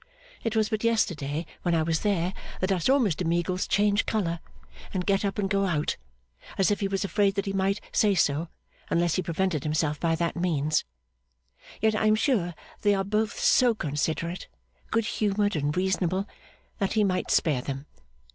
It was but yesterday, when I was there, that I saw Mr Meagles change colour, and get up and go out, as if he was afraid that he might say so, unless he prevented himself by that means. Yet I am sure they are both so considerate, good humoured, and reasonable, that he might spare them.